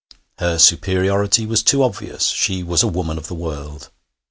Her superiority was too obvious; she was a woman of the world!